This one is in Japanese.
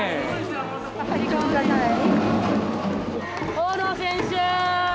・大野選手！